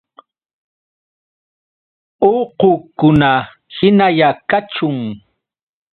¡Uqukuna hinalla kachun!